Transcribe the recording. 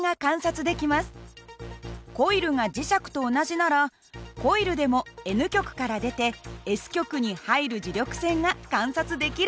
コイルが磁石と同じならコイルでもＮ極から出てＳ極に入る磁力線が観察できるはずです。